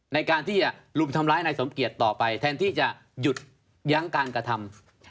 ในการที่จะลุมทำร้ายนายสมเกียจต่อไปแทนที่จะหยุดยั้งการกระทำ